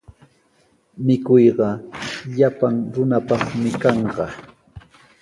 Mikuyqa llapan runapaqmi kanqa.